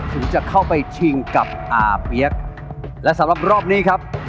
ถึงจะเข้าไปชิงกับอาเปี๊ยกและสำหรับรอบนี้ครับ